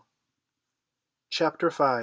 Chapter V.